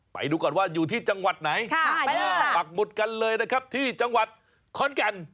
ไปดูก่อนว่าอยู่ที่จังหวัดไหนปักหมุดกันเลยนะครับที่จังหวัดขอนแก่น